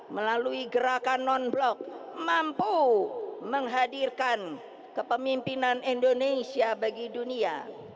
melalui gerakan non blok mampu menghadirkan kepemimpinan indonesia bagi dunia